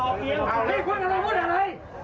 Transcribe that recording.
คุณไปดูข้างล่างว่าอย่างไร